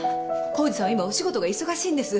功治さんは今お仕事が忙しいんです。